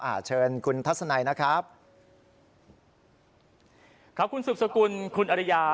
อ่าเชิญคุณทัศนัยนะครับครับคุณสุบสกุลคุณอริยา